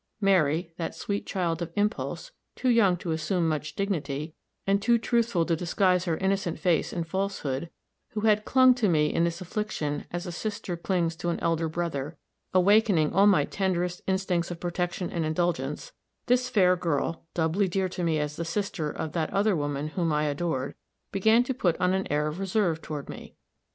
Mary, that sweet child of impulse, too young to assume much dignity, and too truthful to disguise her innocent face in falsehood, who had clung to me in this affliction as a sister clings to an elder brother, awakening all my tenderest instincts of protection and indulgence this fair girl, doubly dear to me as the sister of that other woman whom I adored, began to put on an air of reserve toward me.